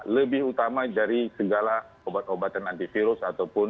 lebih utama dari segala obat obatan antivirus ataupun